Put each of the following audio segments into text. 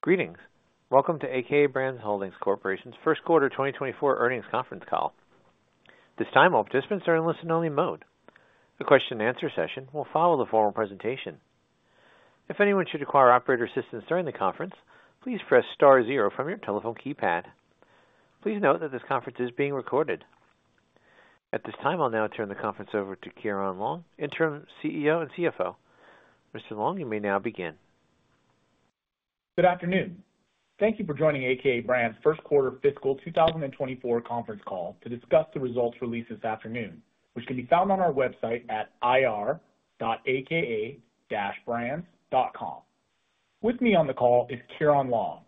Greetings. Welcome to a.k.a. Brands Holding Corp's first quarter 2024 earnings conference call. This time, all participants are in listen-only mode. A question-and-answer session will follow the formal presentation. If anyone should require operator assistance during the conference, please press star zero from your telephone keypad. Please note that this conference is being recorded. At this time, I'll now turn the conference over to Ciaran Long, Interim CEO and CFO. Mr. Long, you may now begin. Good afternoon. Thank you for joining a.k.a. Brands' first quarter fiscal 2024 conference call to discuss the results released this afternoon which can be found on our website at ir.aka-brands.com. With me on the call is Ciaran Long,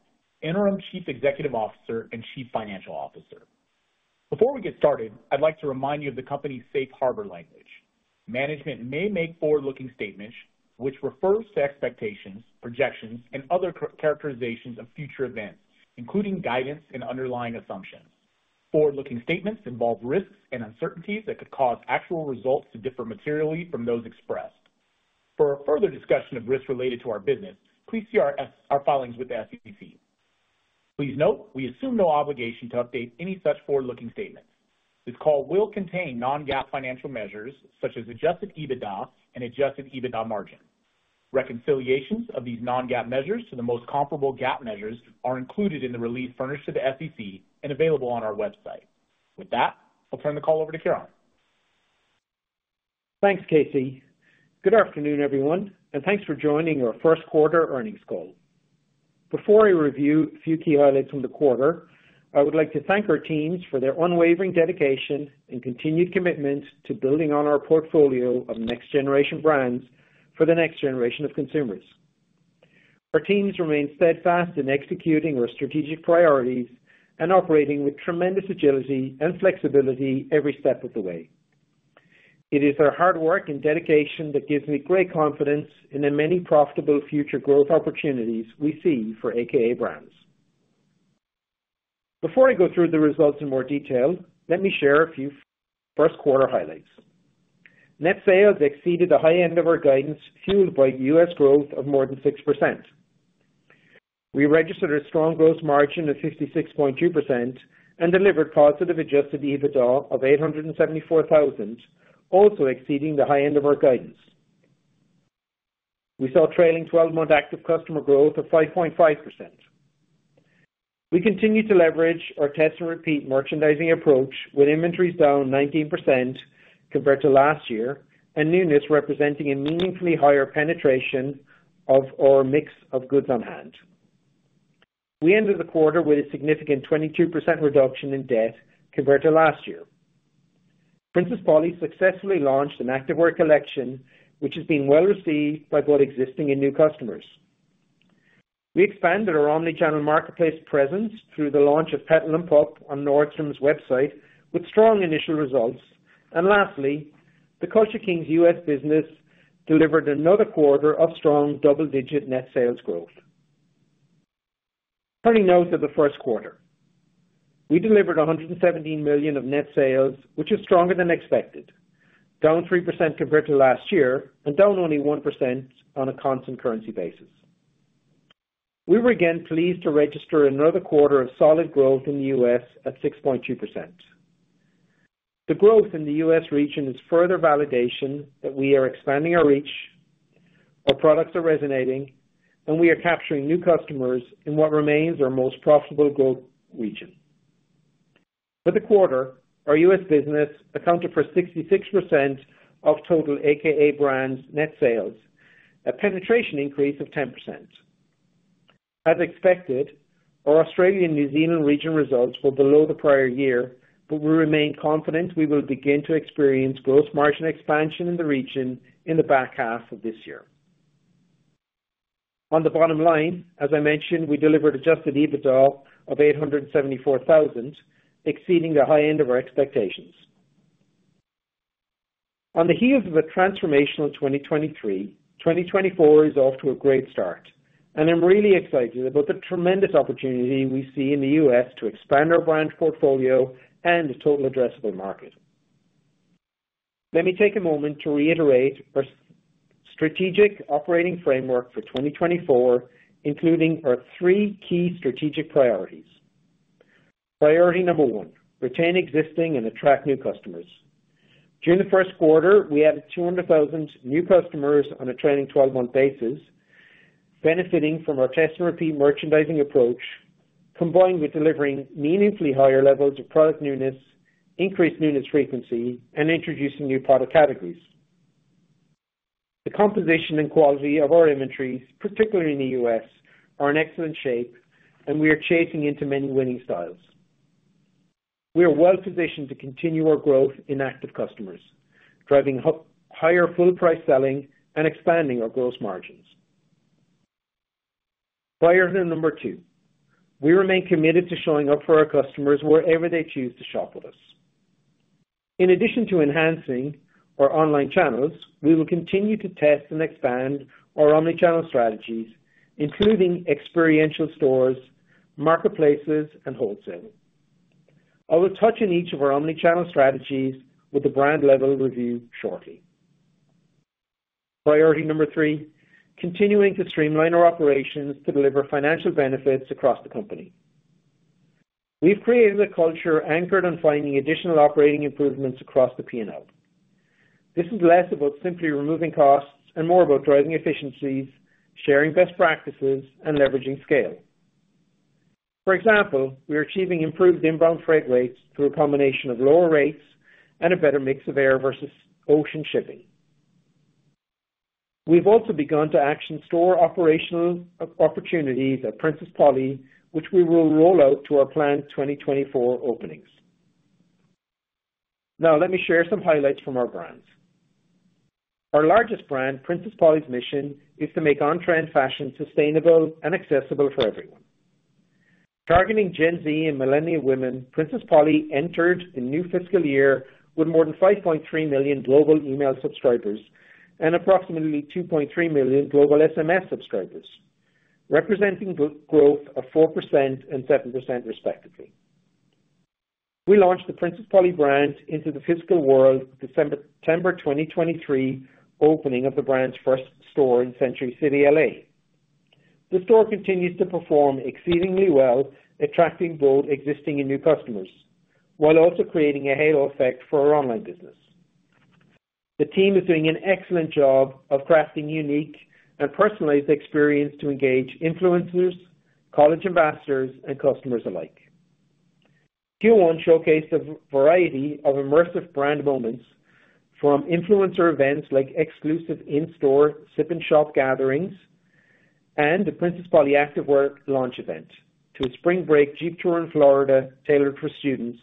interim Chief Executive Officer and Chief Financial Officer. Before we get started I'd like to remind you of the company's safe harbor language. Management may make forward-looking statements which refers to expectations, projections, and other characterizations of future events including guidance and underlying assumptions. Forward-looking statements involve risks and uncertainties that could cause actual results to differ materially from those expressed. For a further discussion of risks related to our business please see our filings with the SEC. Please note we assume no obligation to update any such forward-looking statements. This call will contain non-GAAP financial measures such as adjusted EBITDA and adjusted EBITDA margin. Reconciliations of these non-GAAP measures to the most comparable GAAP measures are included in the release furnished to the SEC and available on our website. With that I'll turn the call over to Ciaran. Thanks Casey. Good afternoon everyone and thanks for joining our first quarter earnings call. Before I review a few key highlights from the quarter, I would like to thank our teams for their unwavering dedication and continued commitment to building on our portfolio of next-generation brands for the next generation of consumers. Our teams remain steadfast in executing our strategic priorities and operating with tremendous agility and flexibility every step of the way. It is their hard work and dedication that gives me great confidence in the many profitable future growth opportunities we see for a.k.a. Brands. Before I go through the results in more detail, let me share a few first quarter highlights. Net sales exceeded the high end of our guidance fueled by U.S. growth of more than 6%. We registered a strong gross margin of 56.2% and delivered positive Adjusted EBITDA of $874,000, also exceeding the high end of our guidance. We saw trailing 12-month active customer growth of 5.5%. We continue to leverage our test-and-repeat merchandising approach with inventories down 19% compared to last year and newness representing a meaningfully higher penetration of our mix of goods on hand. We ended the quarter with a significant 22% reduction in debt compared to last year. Princess Polly successfully launched an activewear collection which has been well received by both existing and new customers. We expanded our omnichannel marketplace presence through the launch of Petal & Pup on Nordstrom's website with strong initial results and lastly the Culture Kings U.S. business delivered another quarter of strong double-digit net sales growth. Turning now to the first quarter. We delivered $117 million of net sales which is stronger than expected, down 3% compared to last year and down only 1% on a constant currency basis. We were again pleased to register another quarter of solid growth in the U.S. at 6.2%. The growth in the U.S. region is further validation that we are expanding our reach, our products are resonating, and we are capturing new customers in what remains our most profitable growth region. For the quarter our U.S. business accounted for 66% of total a.k.a. Brands' net sales, a penetration increase of 10%. As expected our Australian New Zealand region results were below the prior year but we remain confident we will begin to experience gross margin expansion in the region in the back half of this year. On the bottom line as I mentioned we delivered Adjusted EBITDA of $874,000 exceeding the high end of our expectations. On the heels of a transformational 2023, 2024 is off to a great start and I'm really excited about the tremendous opportunity we see in the U.S. to expand our brand portfolio and total addressable market. Let me take a moment to reiterate our strategic operating framework for 2024 including our three key strategic priorities. Priority number one: retain existing and attract new customers. During the first quarter we added 200,000 new customers on a trailing 12-month basis benefiting from our test-and-repeat merchandising approach combined with delivering meaningfully higher levels of product newness, increased newness frequency, and introducing new product categories. The composition and quality of our inventories particularly in the U.S. are in excellent shape and we are chasing into many winning styles. We are well positioned to continue our growth in active customers driving higher full-price selling and expanding our gross margins. Priority number two: we remain committed to showing up for our customers wherever they choose to shop with us. In addition to enhancing our online channels we will continue to test and expand our omnichannel strategies including experiential stores, marketplaces, and wholesale. I will touch on each of our omnichannel strategies with a brand-level review shortly. Priority number three: continuing to streamline our operations to deliver financial benefits across the company. We've created a culture anchored on finding additional operating improvements across the P&L. This is less about simply removing costs and more about driving efficiencies, sharing best practices, and leveraging scale. For example we're achieving improved inbound freight rates through a combination of lower rates and a better mix of air versus ocean shipping. We've also begun to action store operational opportunities at Princess Polly which we will roll out to our planned 2024 openings. Now let me share some highlights from our brands. Our largest brand Princess Polly's mission is to make on-trend fashion sustainable and accessible for everyone. Targeting Gen Z and millennial women, Princess Polly entered the new fiscal year with more than 5.3 million global email subscribers and approximately 2.3 million global SMS subscribers representing growth of 4% and 7% respectively. We launched the Princess Polly brand into the physical world with the September 2023 opening of the brand's first store in Century City, L.A. The store continues to perform exceedingly well attracting both existing and new customers while also creating a halo effect for our online business. The team is doing an excellent job of crafting unique and personalized experience to engage influencers, college ambassadors, and customers alike. Q1 showcased a variety of immersive brand moments from influencer events like exclusive in-store sip-and-shop gatherings and the Princess Polly active-wear launch event to a spring break Jeep tour in Florida tailored for students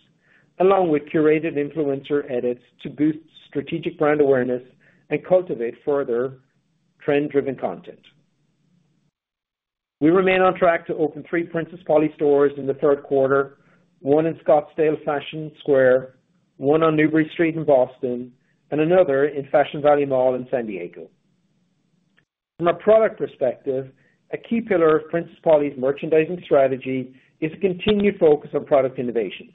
along with curated influencer edits to boost strategic brand awareness and cultivate further trend-driven content. We remain on track to open three Princess Polly stores in the third quarter: one in Scottsdale Fashion Square, one on Newbury Street in Boston, and another in Fashion Valley Mall in San Diego. From a product perspective a key pillar of Princess Polly's merchandising strategy is a continued focus on product innovation.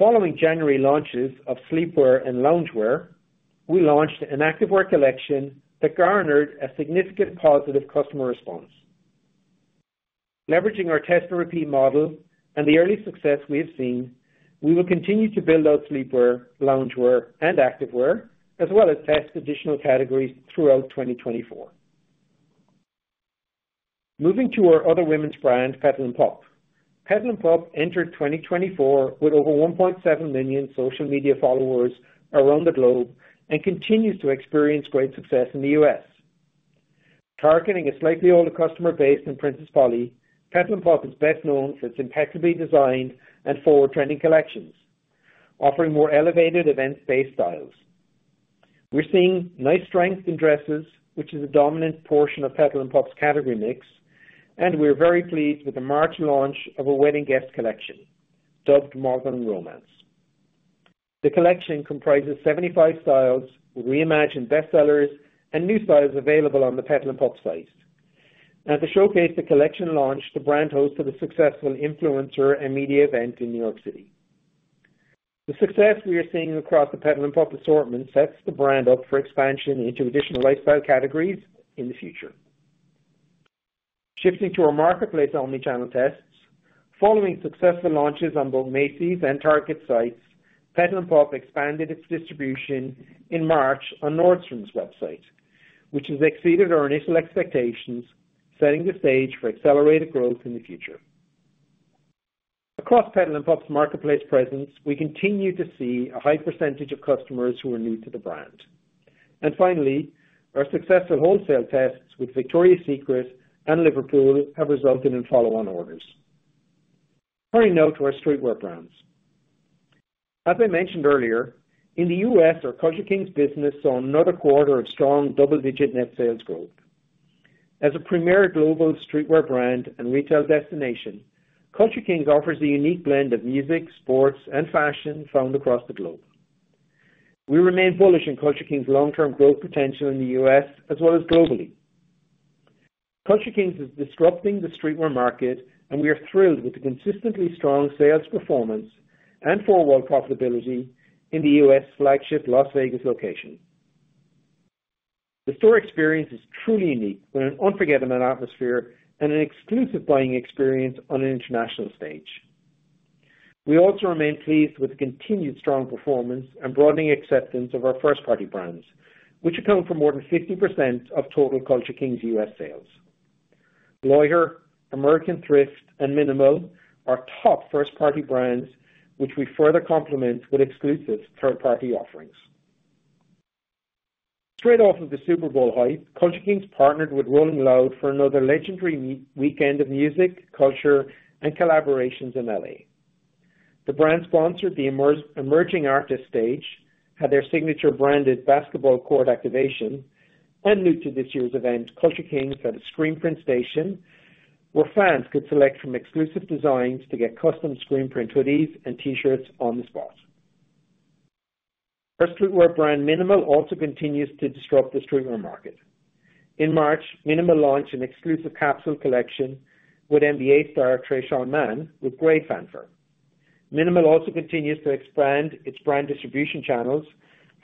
Following January launches of sleepwear and loungewear we launched an active-wear collection that garnered a significant positive customer response. Leveraging our test-and-repeat model and the early success we have seen we will continue to build out sleepwear, loungewear, and active-wear as well as test additional categories throughout 2024. Moving to our other women's brand Petal & Pup. Petal & Pup entered 2024 with over 1.7 million social media followers around the globe and continues to experience great success in the U.S. Targeting a slightly older customer base than Princess Polly, Petal & Pup is best known for its impeccably designed and forward-trending collections offering more elevated event-based styles. We're seeing nice strength in dresses, which is a dominant portion of Petal & Pup's category mix, and we're very pleased with the March launch of a wedding guest collection dubbed Modern Romance. The collection comprises 75 styles with reimagined bestsellers and new styles available on the Petal & Pup site. At the showcase the collection launched, the brand hosted a successful influencer and media event in New York City. The success we are seeing across the Petal & Pup assortment sets the brand up for expansion into additional lifestyle categories in the future. Shifting to our marketplace omnichannel tests, following successful launches on both Macy's and Target sites, Petal & Pup expanded its distribution in March on Nordstrom's website, which has exceeded our initial expectations, setting the stage for accelerated growth in the future. Across Petal & Pup's marketplace presence, we continue to see a high percentage of customers who are new to the brand. Finally, our successful wholesale tests with Victoria's Secret and Liverpool have resulted in follow-on orders. Turning now to our streetwear brands. As I mentioned earlier, in the U.S., our Culture Kings business saw another quarter of strong double-digit net sales growth. As a premier global streetwear brand and retail destination, Culture Kings offers a unique blend of music, sports, and fashion found across the globe. We remain bullish on Culture Kings' long-term growth potential in the U.S. as well as globally. Culture Kings is disrupting the streetwear market and we are thrilled with the consistently strong sales performance and forward profitability in the U.S. flagship Las Vegas location. The store experience is truly unique with an unforgettable atmosphere and an exclusive buying experience on an international stage. We also remain pleased with the continued strong performance and broadening acceptance of our first-party brands which account for more than 50% of total Culture Kings U.S. sales. Loiter, American Thrift, and mnml are top first-party brands which we further complement with exclusive third-party offerings. Straight off of the Super Bowl hype, Culture Kings partnered with Rolling Loud for another legendary weekend of music, culture, and collaborations in L.A. The brand sponsored the Emerging Artist stage, had their signature branded basketball court activation, and new to this year's event, Culture Kings had a screenprint station where fans could select from exclusive designs to get custom screenprint hoodies and t-shirts on the spot. Our streetwear brand mnml also continues to disrupt the streetwear market. In March, mnml launched an exclusive capsule collection with NBA star Tre Mann with great fanfare. mnml also continues to expand its brand distribution channels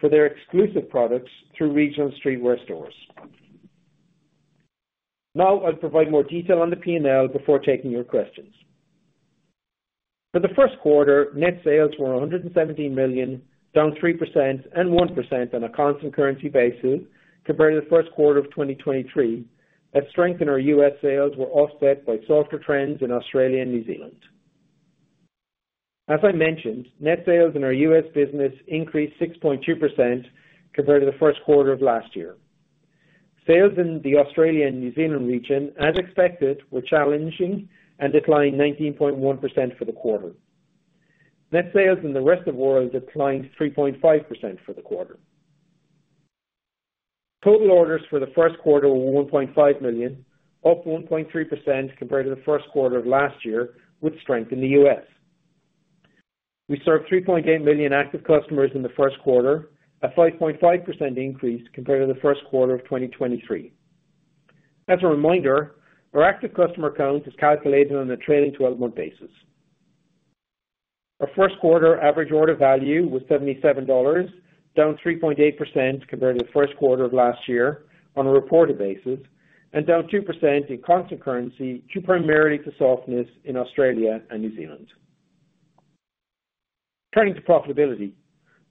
for their exclusive products through regional streetwear stores. Now I'll provide more detail on the P&L before taking your questions. For the first quarter, net sales were $117 million, down 3% and 1% on a constant currency basis compared to the first quarter of 2023, as strength in our U.S. sales were offset by softer trends in Australia and New Zealand. As I mentioned, net sales in our U.S. business increased 6.2% compared to the first quarter of last year. Sales in the Australian and New Zealand region, as expected, were challenging and declined 19.1% for the quarter. Net sales in the rest of the world declined 3.5% for the quarter. Total orders for the first quarter were 1.5 million, up 1.3% compared to the first quarter of last year with strength in the U.S. We served 3.8 million active customers in the first quarter, a 5.5% increase compared to the first quarter of 2023. As a reminder, our active customer count is calculated on a trailing 12-month basis. Our first quarter average order value was $77, down 3.8% compared to the first quarter of last year on a reported basis and down 2% in constant currency primarily to softness in Australia and New Zealand. Turning to profitability.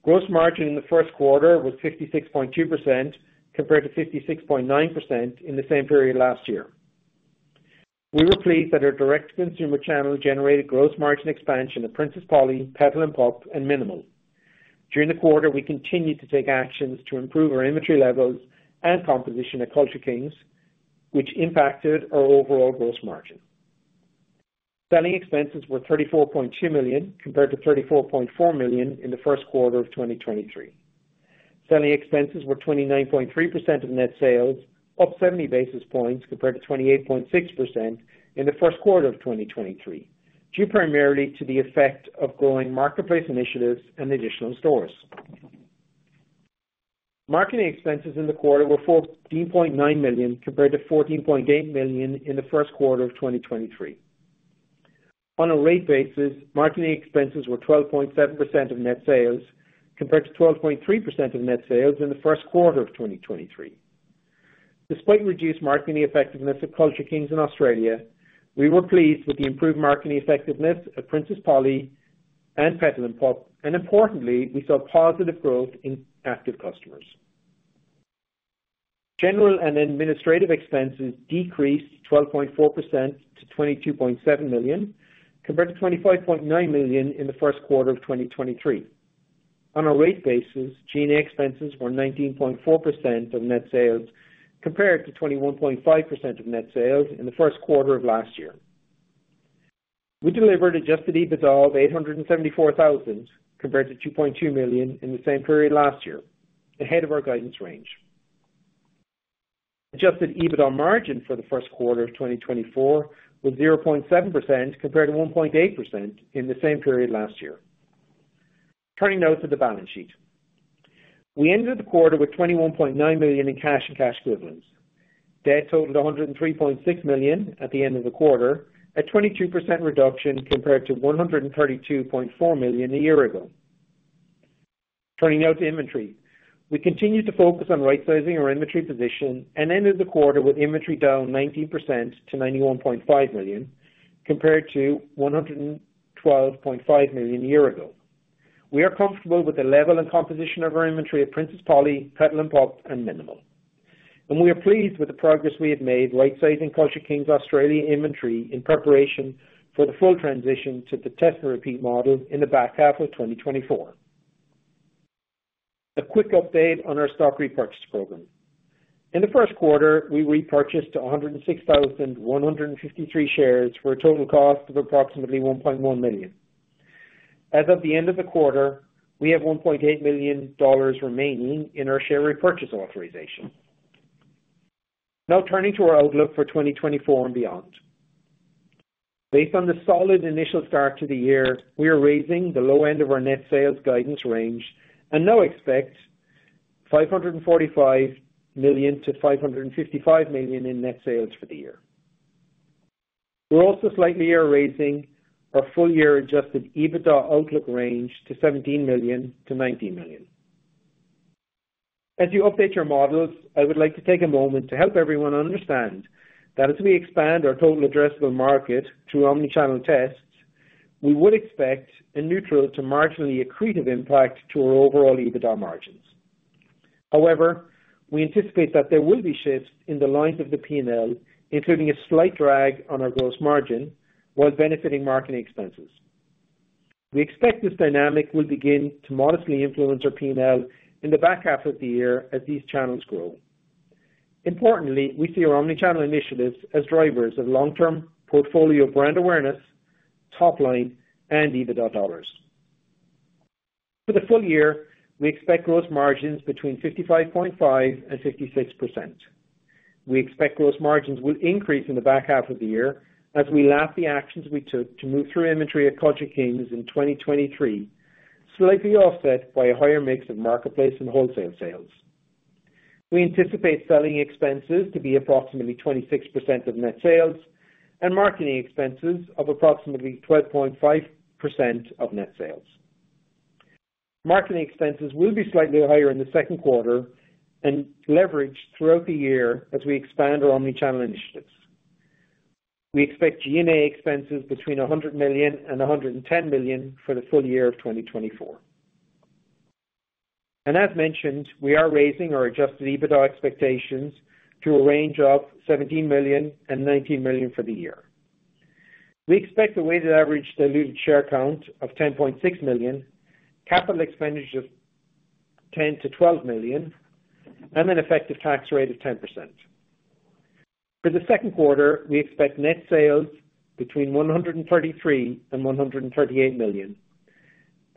Gross margin in the first quarter was 56.2% compared to 56.9% in the same period last year. We were pleased that our direct consumer channel generated gross margin expansion at Princess Polly, Petal & Pup, and mnml. During the quarter we continued to take actions to improve our inventory levels and composition at Culture Kings which impacted our overall gross margin. Selling expenses were $34.2 million compared to $34.4 million in the first quarter of 2023. Selling expenses were 29.3% of net sales, up 70 basis points compared to 28.6% in the first quarter of 2023 due primarily to the effect of growing marketplace initiatives and additional stores. Marketing expenses in the quarter were $14.9 million compared to $14.8 million in the first quarter of 2023. On a rate basis, marketing expenses were 12.7% of net sales compared to 12.3% of net sales in the first quarter of 2023. Despite reduced marketing effectiveness at Culture Kings in Australia, we were pleased with the improved marketing effectiveness at Princess Polly and Petal & Pup, and importantly we saw positive growth in active customers. General and administrative expenses decreased 12.4% to $22.7 million compared to $25.9 million in the first quarter of 2023. On a rate basis, G&A expenses were 19.4% of net sales compared to 21.5% of net sales in the first quarter of last year. We delivered Adjusted EBITDA of $874,000 compared to $2.2 million in the same period last year, ahead of our guidance range. Adjusted EBITDA margin for the first quarter of 2024 was 0.7% compared to 1.8% in the same period last year. Turning now to the balance sheet. We ended the quarter with $21.9 million in cash and cash equivalents. Debt totaled $103.6 million at the end of the quarter, a 22% reduction compared to $132.4 million a year ago. Turning now to inventory. We continued to focus on right-sizing our inventory position and ended the quarter with inventory down 19% to $91.5 million compared to $112.5 million a year ago. We are comfortable with the level and composition of our inventory at Princess Polly, Petal & Pup, and Minimal. We are pleased with the progress we have made right-sizing Culture Kings Australia inventory in preparation for the full transition to the test-and-repeat model in the back half of 2024. A quick update on our stock repurchase program. In the first quarter we repurchased 106,153 shares for a total cost of approximately $1.1 million. As of the end of the quarter we have $1.8 million remaining in our share repurchase authorization. Now turning to our outlook for 2024 and beyond. Based on the solid initial start to the year we are raising the low end of our net sales guidance range and now expect $545 million-$555 million in net sales for the year. We're also slightly raising our full-year adjusted EBITDA outlook range to $17 million-$19 million. As you update your models I would like to take a moment to help everyone understand that as we expand our total addressable market through omnichannel tests we would expect a neutral to marginally accretive impact to our overall EBITDA margins. However, we anticipate that there will be shifts in the lines of the P&L, including a slight drag on our gross margin while benefiting marketing expenses. We expect this dynamic will begin to modestly influence our P&L in the back half of the year as these channels grow. Importantly, we see our omnichannel initiatives as drivers of long-term portfolio brand awareness, top line, and EBITDA dollars. For the full year, we expect gross margins between 55.5%-56%. We expect gross margins will increase in the back half of the year as we lap the actions we took to move through inventory at Culture Kings in 2023, slightly offset by a higher mix of marketplace and wholesale sales. We anticipate selling expenses to be approximately 26% of net sales and marketing expenses of approximately 12.5% of net sales. Marketing expenses will be slightly higher in the second quarter and leveraged throughout the year as we expand our omnichannel initiatives. We expect G&A expenses between $100 million-$110 million for the full year of 2024. As mentioned we are raising our Adjusted EBITDA expectations to a range of $17 million-$19 million for the year. We expect a weighted average diluted share count of 10.6 million, capital expenditure of $10 million-$12 million, and an effective tax rate of 10%. For the second quarter we expect net sales between $133 million-$138 million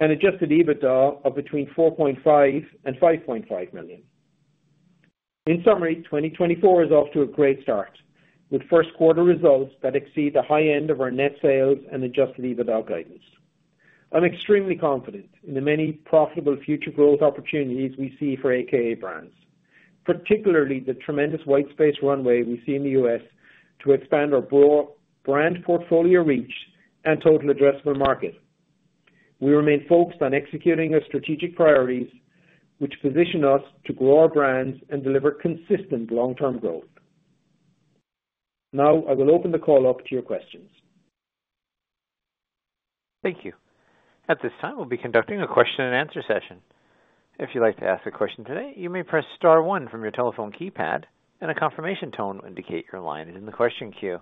and Adjusted EBITDA of between $4.5 million-$5.5 million. In summary 2024 is off to a great start with first quarter results that exceed the high end of our net sales and Adjusted EBITDA guidance. I'm extremely confident in the many profitable future growth opportunities we see for a.k.a. Brands. Particularly the tremendous white space runway we see in the U.S. to expand our broad brand portfolio reach and total addressable market. We remain focused on executing our strategic priorities which position us to grow our brands and deliver consistent long-term growth. Now I will open the call up to your questions. Thank you. At this time we'll be conducting a question and answer session. If you'd like to ask a question today you may press star one from your telephone keypad and a confirmation tone will indicate your line is in the question queue.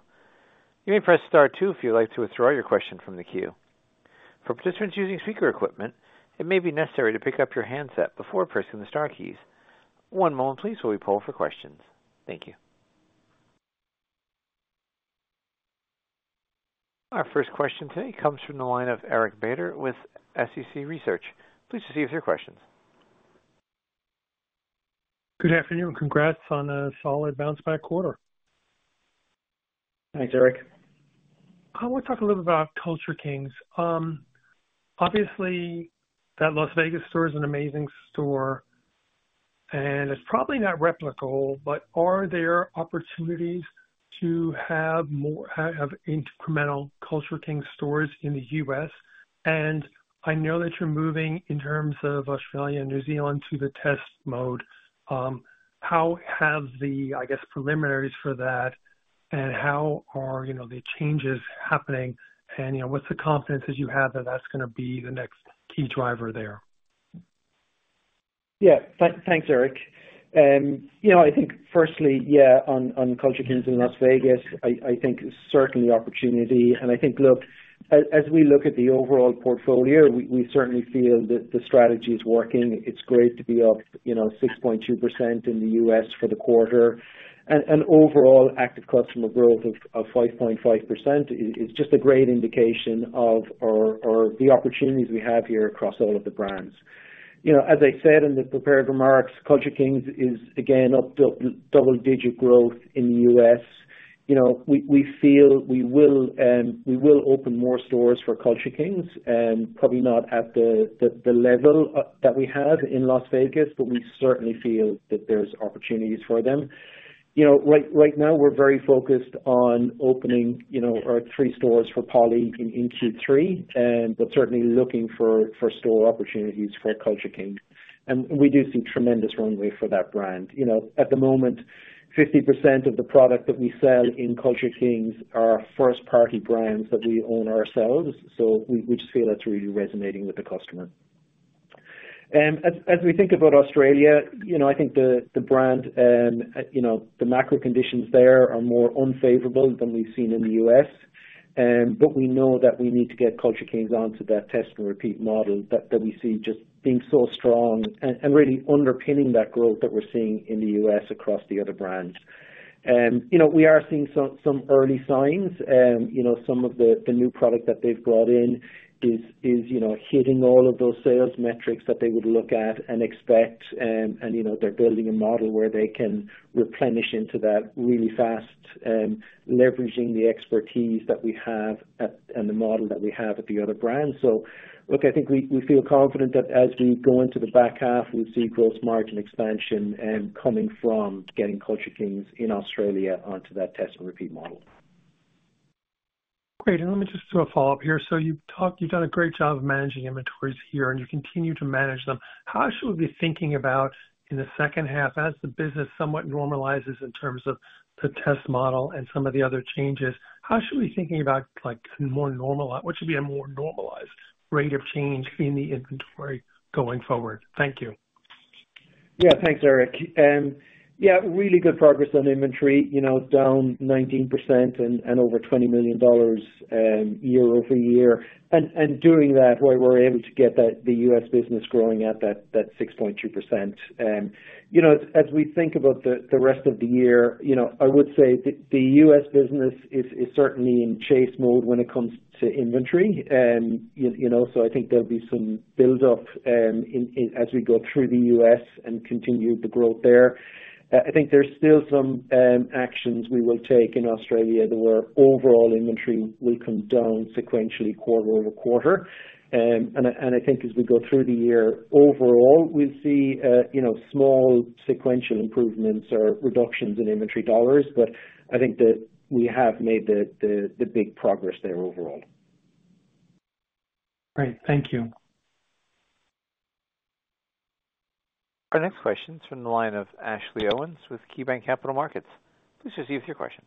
You may press star two if you'd like to withdraw your question from the queue. For participants using speaker equipment it may be necessary to pick up your handset before pressing the star keys. One moment please while we poll for questions. Thank you. Our first question today comes from the line of Eric Beder with Small Cap Consumer Research. Please proceed with your questions. Good afternoon and congrats on a solid bounce-back quarter. Thanks Eric. Let's talk a little bit about Culture Kings. Obviously that Las Vegas store is an amazing store and it's probably not replicable but are there opportunities to have more incremental Culture Kings stores in the U.S.? I know that you're moving in terms of Australia and New Zealand to the test mode. How have the preliminaries for that and how are the changes happening and what's the confidence that you have that that's going to be the next key driver there? Yeah, thanks Eric. I think firstly yeah on Culture Kings in Las Vegas I think certainly opportunity and I think look as we look at the overall portfolio we certainly feel that the strategy is working. It's great to be up 6.2% in the U.S. for the quarter and overall active customer growth of 5.5% is just a great indication of the opportunities we have here across all of the brands. As I said in the prepared remarks Culture Kings is again up double-digit growth in the U.S. We feel we will open more stores for Culture Kings probably not at the level that we have in Las Vegas but we certainly feel that there's opportunities for them. Right now we're very focused on opening our 3 stores for Polly in Q3 but certainly looking for store opportunities for Culture Kings. And we do see tremendous runway for that brand. At the moment, 50% of the product that we sell in Culture Kings are first-party brands that we own ourselves, so we just feel that's really resonating with the customer. As we think about Australia, I think the brand, the macro conditions there are more unfavorable than we've seen in the U.S. We know that we need to get Culture Kings onto that test-and-repeat model that we see just being so strong and really underpinning that growth that we're seeing in the U.S. across the other brands. We are seeing some early signs. Some of the new product that they've brought in is hitting all of those sales metrics that they would look at and expect, and they're building a model where they can replenish into that really fast, leveraging the expertise that we have and the model that we have at the other brands. So look I think we feel confident that as we go into the back half we'll see gross margin expansion coming from getting Culture Kings in Australia onto that test-and-repeat model. Great. And let me just do a follow-up here. So you've done a great job of managing inventories here and you continue to manage them. How should we be thinking about in the second half as the business somewhat normalizes in terms of the test model and some of the other changes. How should we be thinking about a more normalized what should be a more normalized rate of change in the inventory going forward? Thank you. Yeah, thanks Eric. Yeah, really good progress on inventory down 19% and over $20 million year-over-year. And doing that while we're able to get the U.S. business growing at that 6.2%. As we think about the rest of the year, I would say the U.S. business is certainly in chase mode when it comes to inventory. So I think there'll be some build-up as we go through the U.S. and continue the growth there. I think there's still some actions we will take in Australia where overall inventory will come down sequentially quarter-over-quarter. And I think as we go through the year overall we'll see small sequential improvements or reductions in inventory dollars, but I think that we have made the big progress there overall. Great. Thank you. Our next question's from the line of Ashley Owens with KeyBank Capital Markets. Please receive your questions.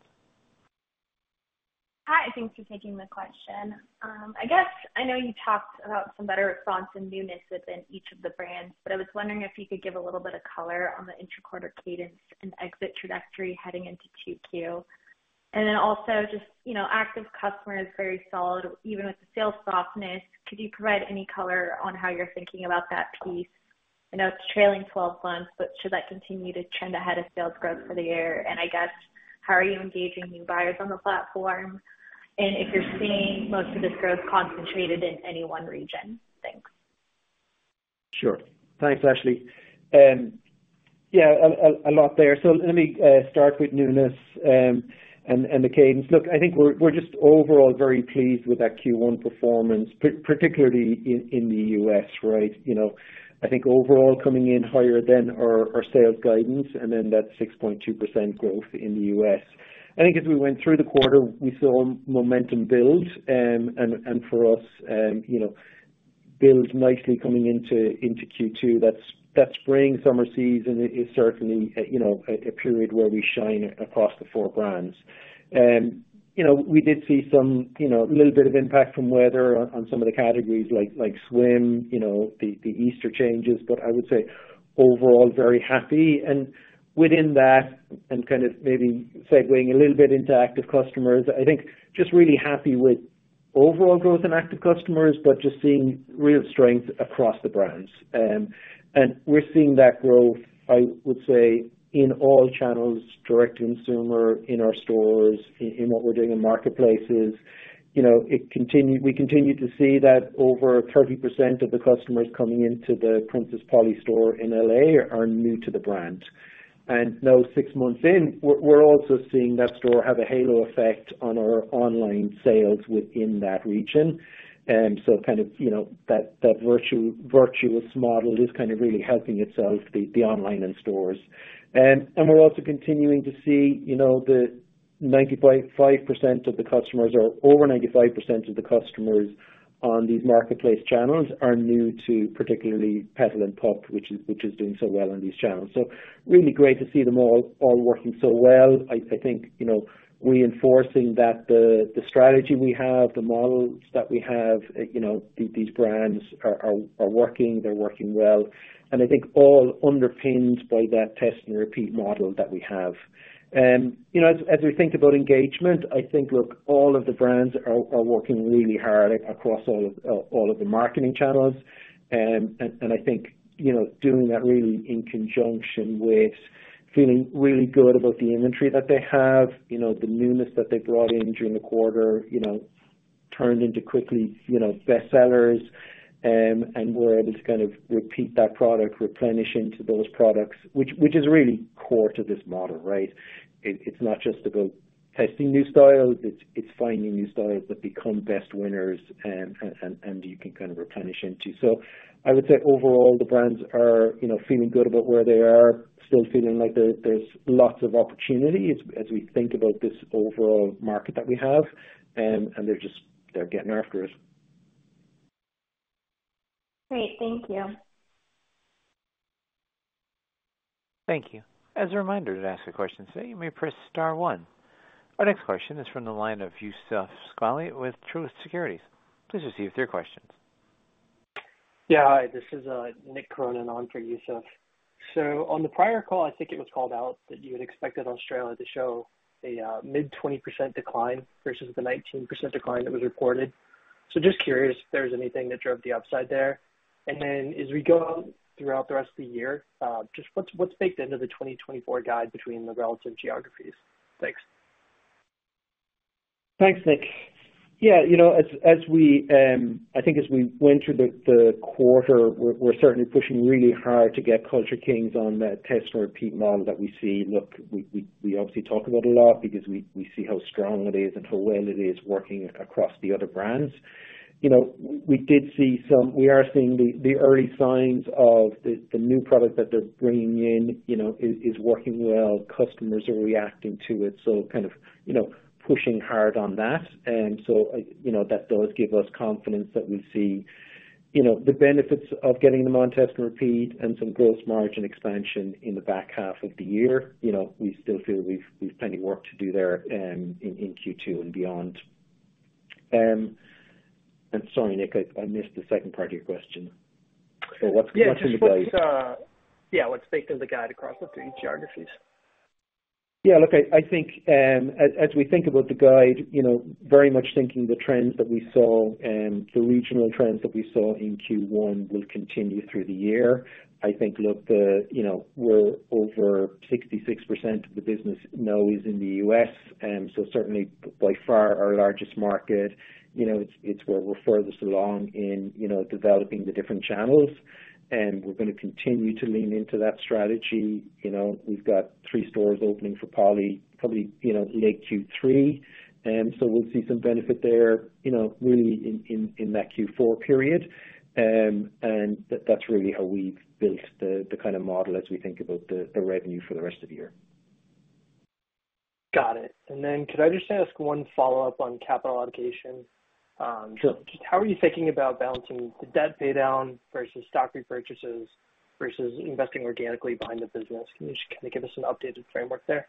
Hi, thanks for taking the question. I guess I know you talked about some better response and newness within each of the brands, but I was wondering if you could give a little bit of color on the intra-quarter cadence and exit trajectory heading into QQ. And then also just active customer is very solid even with the sales softness. Could you provide any color on how you're thinking about that piece? I know it's trailing 12 months, but should that continue to trend ahead of sales growth for the year? And I guess how are you engaging new buyers on the platform? And if you're seeing most of this growth concentrated in any one region? Thanks. Sure. Thanks Ashley. Yeah, a lot there. So let me start with newness and the cadence. Look I think we're just overall very pleased with that Q1 performance particularly in the U.S., right? I think overall coming in higher than our sales guidance and then that 6.2% growth in the U.S. I think as we went through the quarter we saw momentum build and for us build nicely coming into Q2. That spring, summer season is certainly a period where we shine across the four brands. And we did see some little bit of impact from weather on some of the categories like swim, the Easter changes but I would say overall very happy. And within that and kind of maybe segueing a little bit into active customers I think just really happy with overall growth in active customers but just seeing real strength across the brands. And we're seeing that growth I would say in all channels direct to consumer, in our stores, in what we're doing in marketplaces. We continue to see that over 30% of the customers coming into the Princess Polly store in L.A. are new to the brand. And now six months in we're also seeing that store have a halo effect on our online sales within that region. And so kind of that virtuous model is kind of really helping itself the online and stores. And we're also continuing to see the 95% of the customers or over 95% of the customers on these marketplace channels are new to particularly Petal & Pup which is doing so well on these channels. So really great to see them all working so well. I think reinforcing that the strategy we have, the models that we have, these brands are working, they're working well. I think all underpinned by that test-and-repeat model that we have. As we think about engagement, I think, look, all of the brands are working really hard across all of the marketing channels. I think doing that really in conjunction with feeling really good about the inventory that they have, the newness that they brought in during the quarter turned quickly into bestsellers and we're able to kind of repeat that product, replenish into those products which is really core to this model, right? It's not just about testing new styles, it's finding new styles that become bestsellers and you can kind of replenish into. I would say overall the brands are feeling good about where they are, still feeling like there's lots of opportunity as we think about this overall market that we have and they're getting after it. Great. Thank you. Thank you. As a reminder to ask your questions today you may press star one. Our next question is from the line of Youssef Squali with Truist Securities. Please proceed with your questions. Yeah, hi. This is Nick Cronin on for Youssef. So on the prior call I think it was called out that you had expected Australia to show a mid-20% decline versus the 19% decline that was reported. So just curious if there was anything that drove the upside there. And then as we go throughout the rest of the year just what's baked into the 2024 guide between the relative geographies? Thanks. Thanks, Nick. Yeah, I think as we went through the quarter, we're certainly pushing really hard to get Culture Kings on that test-and-repeat model that we see. Look, we obviously talk about it a lot because we see how strong it is and how well it is working across the other brands. We are seeing the early signs of the new product that they're bringing in is working well, customers are reacting to it so kind of pushing hard on that. And so that does give us confidence that we'll see the benefits of getting them on test-and-repeat and some gross margin expansion in the back half of the year. We still feel we've plenty of work to do there in Q2 and beyond. And sorry, Nick, I missed the second part of your question. So what's in the guide? Yeah, what's baked into the guide across the three geographies? Yeah, look, I think as we think about the guide, very much thinking the trends that we saw, the regional trends that we saw in Q1 will continue through the year. I think, look, we're over 66% of the business now is in the U.S. So certainly by far our largest market; it's where we're furthest along in developing the different channels. And we're going to continue to lean into that strategy. We've got three stores opening for Polly probably late Q3. And so we'll see some benefit there really in that Q4 period. And that's really how we've built the kind of model as we think about the revenue for the rest of the year. Got it. And then could I just ask one follow-up on capital allocation? Sure. Just how are you thinking about balancing the debt paydown versus stock repurchases versus investing organically behind the business? Can you just kind of give us an updated framework there?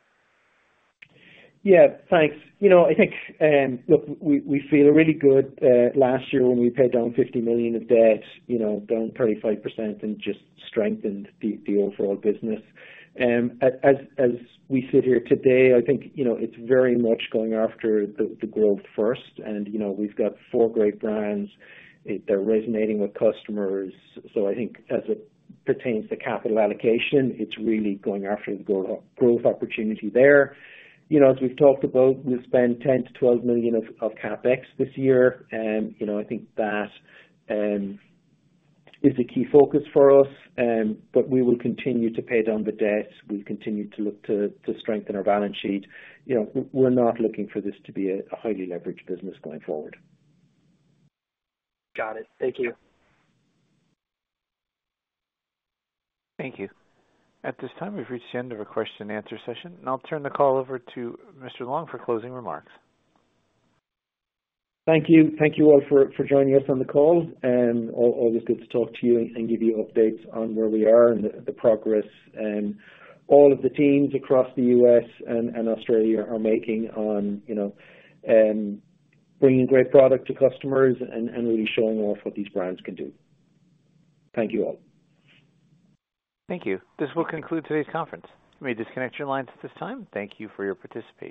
Yeah, thanks. I think, look, we feel really good last year when we paid down $50 million of debt down 35% and just strengthened the overall business. As we sit here today I think it's very much going after the growth first. We've got four great brands. They're resonating with customers. So I think as it pertains to capital allocation it's really going after the growth opportunity there. As we've talked about we'll spend $10 million-$12 million of CapEx this year. I think that is a key focus for us. But we will continue to pay down the debt. We'll continue to look to strengthen our balance sheet. We're not looking for this to be a highly leveraged business going forward. Got it. Thank you. Thank you. At this time we've reached the end of our question and answer session and I'll turn the call over to Mr. Long for closing remarks. Thank you. Thank you all for joining us on the call. Always good to talk to you and give you updates on where we are and the progress all of the teams across the U.S. and Australia are making on bringing great product to customers and really showing off what these brands can do. Thank you all. Thank you. This will conclude today's conference. You may disconnect your lines at this time. Thank you for your participation.